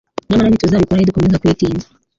nyamara ntituzabikora nidukomeza kwi tinza